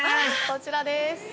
こちらです！